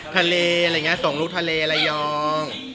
ทะเลส่งลูกทะเลระยอง